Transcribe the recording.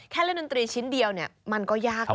แค่เล่นดนตรีชิ้นเดียวเนี่ยมันก็ยากเลย